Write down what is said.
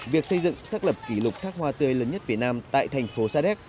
việc xây dựng xác lập kỷ lục thác hoa tươi lớn nhất việt nam tại thành phố sa đéc